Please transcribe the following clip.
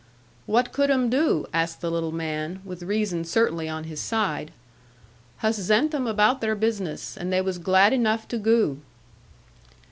'What could 'em do?' asked the little man, with reason certainly on his side: 'hus zent 'em about their business, and they was glad enough to goo.'